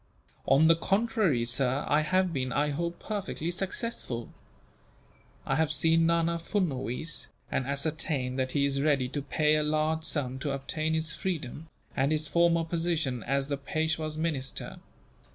"On the contrary, sir, I have been, I hope, perfectly successful. I have seen Nana Furnuwees, and ascertained that he is ready to pay a large sum to obtain his freedom, and his former position as the Peishwa's minister.